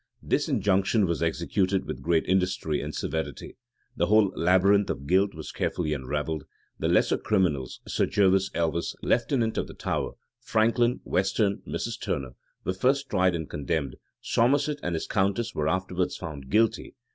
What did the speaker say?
This injunction was executed with great industry and severity: the whole labyrinth of guilt was carefully unravelled: the lesser criminals, Sir Jervis Elvis, lieutenant of the Tower, Franklin, Weston, Mrs. Turner, were first tried and condemned: Somerset and his countess were afterwards found guilty.